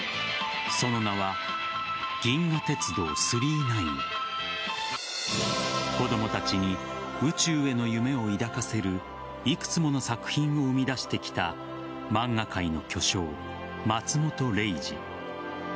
その名は「銀河鉄道９９９」子供たちに宇宙への夢を抱かせるいくつもの作品を生み出してきた漫画界の巨匠・松本零士。